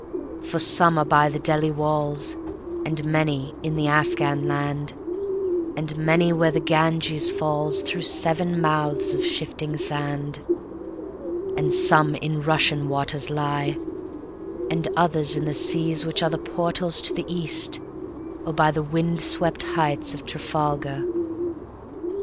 For some are by the Delhi walls, And many in the Afghan land, And many where the Ganges fallsThrough seven mouths of shifting sand. And some in Russian waters lie, And others in the seas which areThe portals to the East, or byThe wind swept heights of Trafalgar.